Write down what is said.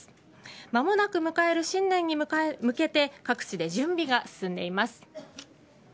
間もなく迎える新年に向けて各地で準備が進んでいます。